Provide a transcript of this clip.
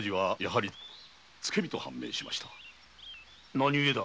何故だ？